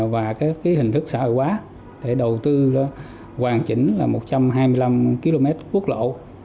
và các hình thức xã hội quá để đầu tư hoàn chỉnh một trăm hai mươi năm km quốc lộ